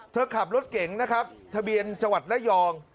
ขับรถเก๋งนะครับทะเบียนจังหวัดระยอง